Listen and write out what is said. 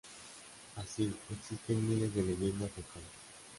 Así, existen miles de leyendas locales.